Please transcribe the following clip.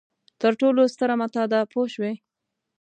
تر ټولو ستره متاع ده پوه شوې!.